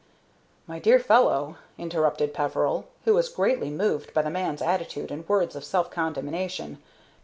"My dear fellow," interrupted Peveril, who was greatly moved by the man's attitude and words of self condemnation.